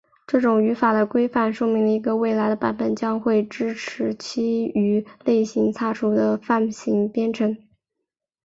这种语言的规范说明一个未来的版本将会支持基于类型擦除的泛型编程。